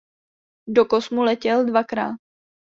Do kosmu letěl dvakrát.